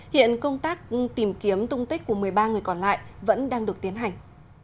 hiện công tác tìm kiếm tung tích của một mươi ba người còn lại vẫn đang được tiến hành